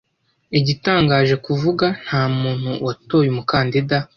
Igitangaje kuvuga, ntamuntu watoye umukandida.